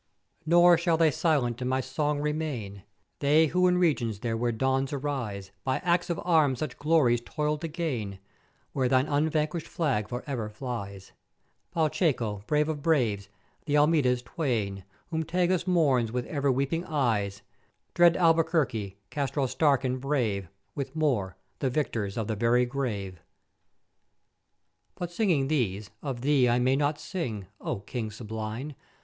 Nor shall they silent in my song remain, they who in regions there where Dawns arise, by Acts of Arms such glories toil'd to gain, where thine unvanquisht flag for ever flies, Pacheco, brave of braves; th' Almeidas twain, whom Tagus mourns with ever weeping eyes; dread Albuquerque, Castro stark and brave, with more, the victors of the very grave. But, singing these, of thee I may not sing, O King sublime!